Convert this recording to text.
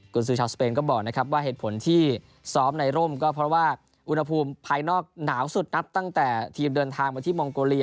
คุณซื้อชาวสเปนก็บอกนะครับว่าเหตุผลที่ซ้อมในร่มก็เพราะว่าอุณหภูมิภายนอกหนาวสุดนับตั้งแต่ทีมเดินทางมาที่มองโกเลีย